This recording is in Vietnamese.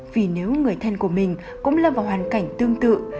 vì nếu người thân của mình cũng lâm vào hoàn cảnh tương tự